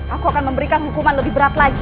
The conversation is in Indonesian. aku akan memberikan hukuman lebih berat lagi